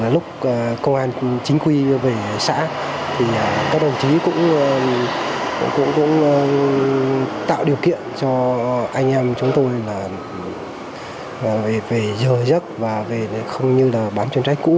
lúc công an chính quy về xã thì các đồng chí cũng tạo điều kiện cho anh em chúng tôi về giờ giấc và không như là bán chân trách cũ